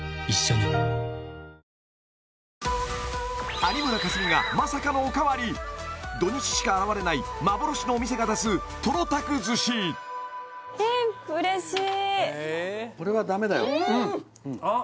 有村架純がまさかのおかわり土日しか現れない幻のお店が出すトロたく寿司トロたく